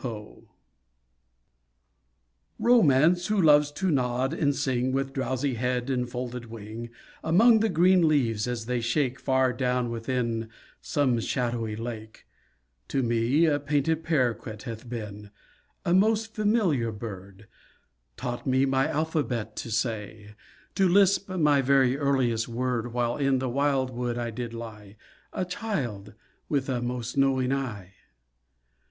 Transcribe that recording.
ROMANCE Romance, who loves to nod and sing, With drowsy head and folded wing, Among the green leaves as they shake Far down within some shadowy lake, To me a painted paroquet Hath been—a most familiar bird— Taught me my alphabet to say— To lisp my very earliest word While in the wild wood I did lie, A child—with a most knowing eye.